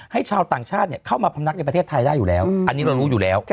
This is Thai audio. ชาวต่างชาติเข้ามาพำนักในประเทศไทยได้อยู่แล้วอันนี้เรารู้อยู่แล้ว